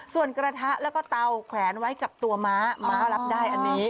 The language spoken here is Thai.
ส่วนกระทะแล้วก็เตาแขวนไว้กับตัวม้าม้ารับได้อันนี้